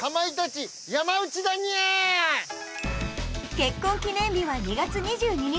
結婚記念日は２月２２日